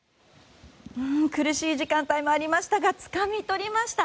苦しい時間帯もありましたがつかみ取りました！